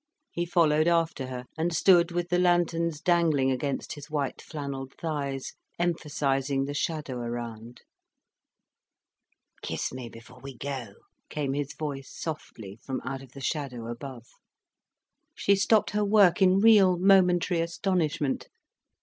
He followed after her, and stood with the lanterns dangling against his white flannelled thighs, emphasising the shadow around. "Kiss me before we go," came his voice softly from out of the shadow above. She stopped her work in real, momentary astonishment.